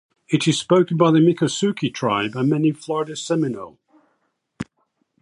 It is spoken by the Miccosukee tribe and many Florida Seminole.